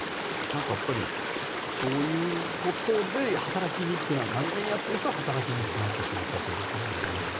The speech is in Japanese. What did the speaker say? やっぱり、そういうことで真面目にやっている人は働きにくくなっているんでしょうけど。